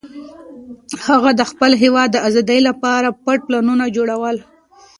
هغه د خپل هېواد د ازادۍ لپاره پټ پلانونه جوړول.